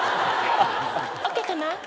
ＯＫかな？